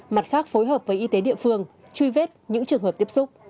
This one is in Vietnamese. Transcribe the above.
mặt khác phối hợp với y tế địa phương truy vết những trường hợp tiếp xúc